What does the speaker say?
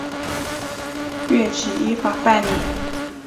岳起依法办理。